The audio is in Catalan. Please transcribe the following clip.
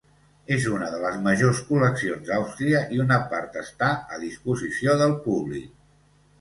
És una de les majors col·leccions d'Àustria i una part està a disposició del públic.